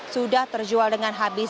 sudah terjual dengan habis